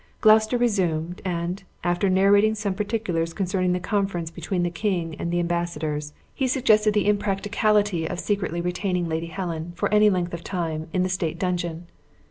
Gloucester resumed; and, after narrating some particulars concerning the conference between the king and the embassadors, he suggested the impracticality of secretly retaining Lady Helen, for any length of time, in the state dungeon.